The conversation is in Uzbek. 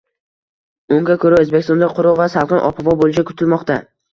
Unga ko‘ra, O‘zbekistonda quruq va salqin ob-havo bo‘lishi kutilmoqda